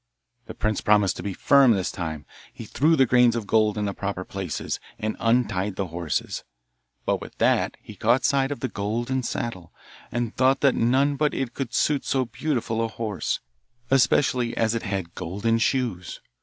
The prince promised to be firm this time. He threw the grains of gold in the proper places, and untied the horse, but with that he caught sight of the golden saddle, and thought that none but it could suit so beautiful a horse, especially as it had golden shoes.